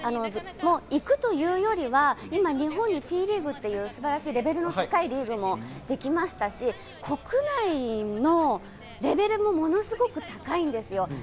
もう行くというよりは今、日本にＴリーグという素晴らしいレベルの高いリーグもできましたし、国内のレベルもものすごく高いんですよ。